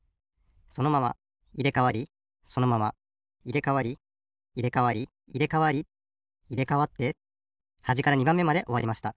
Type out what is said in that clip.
そのままいれかわりそのままいれかわりいれかわりいれかわりいれかわってはじから２ばんめまでおわりました。